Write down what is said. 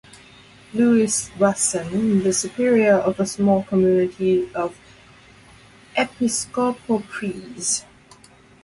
Lewis Wattson, the superior of a small community of Episcopal priests.